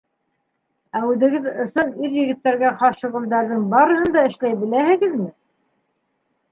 Ә үҙегеҙ ысын ир-егеттәргә хас шөғөлдәрҙең барыһын да эшләй беләһегеҙме?